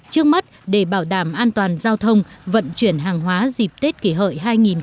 trước mắt để bảo đảm an toàn giao thông vận chuyển hàng hóa dịp tết kỷ hợi hai nghìn một mươi chín